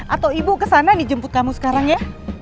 atau ibu kesana nih jemput kamu sekarang ya